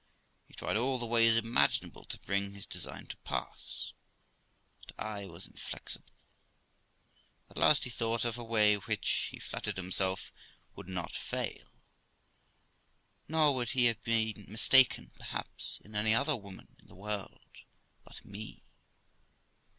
He tried all the ways imaginable to bring his design to pass, but I was inflexible. At last he thought of a way which, he flattered himself, would not fail; nor would he have been mistaken, perhaps, in any other woman in the world but me.